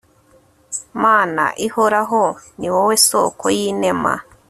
mana ihoraho ni wowe soko y'inema